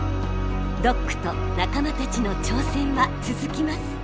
ドックと仲間たちの挑戦は続きます！